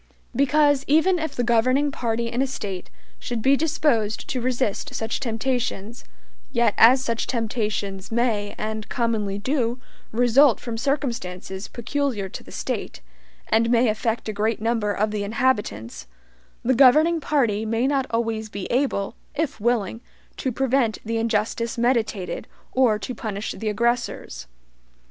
Because, even if the governing party in a State should be disposed to resist such temptations, yet as such temptations may, and commonly do, result from circumstances peculiar to the State, and may affect a great number of the inhabitants, the governing party may not always be able, if willing, to prevent the injustice meditated, or to punish the aggressors.